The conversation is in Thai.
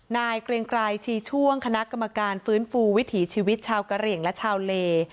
นายเกรียงกลายชีช่วงคณะกรรมการฟื้นฟูวิถีชีวิตชาวเกรียงและชาวเล